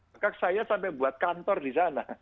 maka saya sampai buat kantor di sana